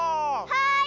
はい！